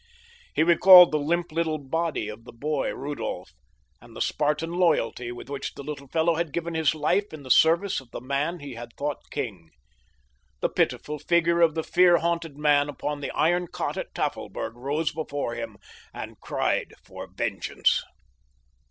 He recalled the limp little body of the boy, Rudolph, and the Spartan loyalty with which the little fellow had given his life in the service of the man he had thought king. The pitiful figure of the fear haunted man upon the iron cot at Tafelberg rose before him and cried for vengeance.